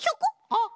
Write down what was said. あっ。